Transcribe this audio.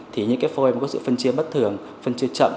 thì những phôi có sự phân chia bất thường phân chia chậm